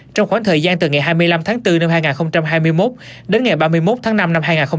trong khoảng thời gian từ ngày hai mươi năm tháng bốn năm hai nghìn hai mươi một đến ngày ba mươi một tháng năm năm hai nghìn hai mươi ba